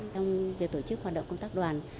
trong việc tổ chức hoạt động công tác đoàn